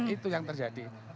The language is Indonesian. itu yang terjadi